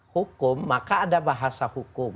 hukum maka ada bahasa hukum